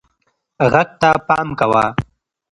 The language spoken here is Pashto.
غږ ته پام کوه.